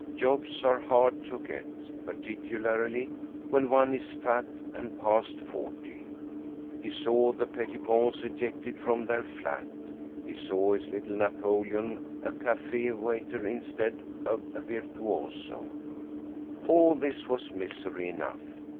Jobs are hard to get, particularly when one is fat and past forty. He saw the Pettipons ejected from their flat; he saw his little Napoleon a café waiter instead of a virtuoso. All this was misery enough.